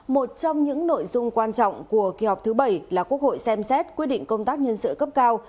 một trong những nội dung quan trọng của kỳ họp thứ bảy là quốc hội xem xét quyết định công tác nhân sự cấp cao